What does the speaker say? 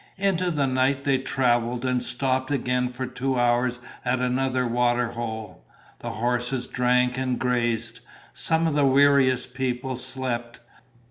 Into the night they traveled, and stopped again for two hours at another water hole. The horses drank and grazed. Some of the weariest people slept.